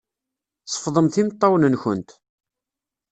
Sefḍemt imeṭṭawen-nkent.